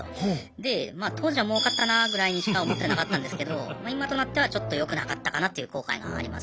で当時はもうかったなぐらいにしか思ってなかったんですけど今となってはちょっとよくなかったかなという後悔があります。